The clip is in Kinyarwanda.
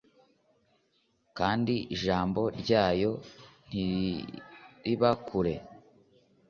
Kandi ijambo ryayo ntiriba kure